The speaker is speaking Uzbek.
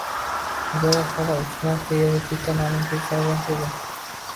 Zoya xola uch marta erga tekkan, ammo befarzand edi.